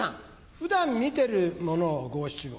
普段見てるものを五・七・五。